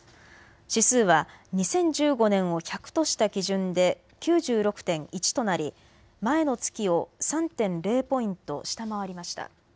指数は２０１５年を１００とした基準で９６．１となり前の月を３．０ポイント下回りました。